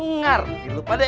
ngarti lupa deh